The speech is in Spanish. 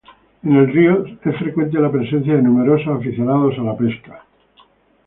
En el río es frecuente la presencia de numerosos aficionados a la pesca.